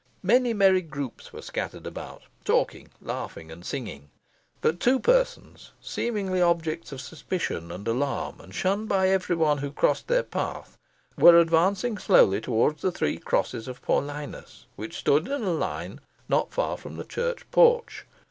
Many merry groups were scattered about, talking, laughing, and singing; but two persons, seemingly objects of suspicion and alarm, and shunned by every one who crossed their path, were advancing slowly towards the three crosses of Paullinus, which stood in a line, not far from the church porch.